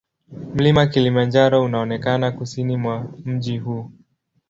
Mlima Kilimanjaro unaonekana kusini mwa mji huu.